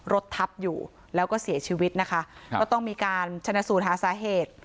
รถทับอยู่แล้วก็เสียชีวิตนะคะก็ต้องมีการชนะสูตรหาสาเหตุ